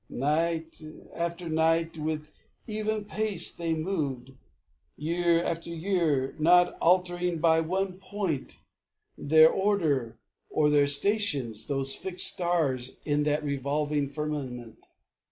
Night after night, with even pace they moved. Year after year, not altering by one point, Their order, or their stations, those fixed stars In that revolving firmament.